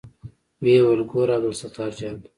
ويې ويل ګوره عبدالستار جانه.